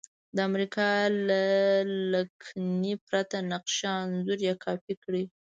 د امریکا له لکنې پرته نقشه انځور یا کاپي کړئ.